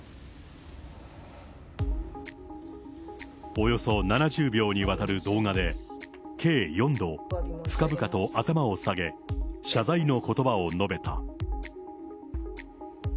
およそ７０秒にわたる動画で、計４度、深々と頭を下げ、謝罪のことばを述べた。